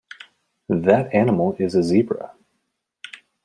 That animal is a Zebra.